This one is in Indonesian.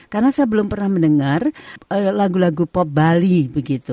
karena saya belum pernah mendengar lagu lagu pop bali begitu